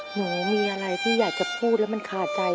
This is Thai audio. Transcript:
หนูมีอะไรที่อยากจะพูดแล้วมันขาดใจ